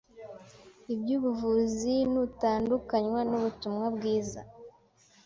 iby’ubuvuzi nutandukanywa n’Ubutumwa bwiza,